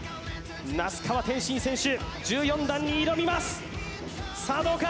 那須川天心選手１４段に挑みますさあどうか？